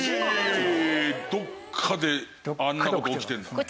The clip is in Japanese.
どっかであんな事起きてるんだ。